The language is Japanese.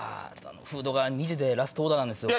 フードが２時でラストオーダーなんですよ。